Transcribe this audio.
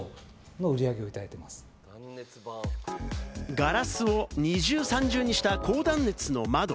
ガラスを２重、３重にした高断熱の窓。